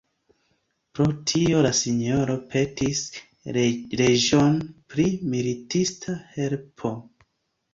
Pro tio la sinjoro petis reĝon pri militista helpo.